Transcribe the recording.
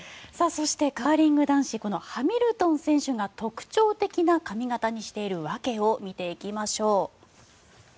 そして、カーリング男子このハミルトン選手が特徴的な髪形にしている訳を見ていきましょう。